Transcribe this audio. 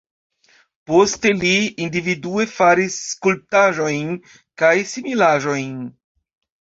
Poste li individue faris skulptaĵojn kaj similaĵojn.